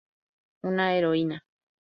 Una heroína.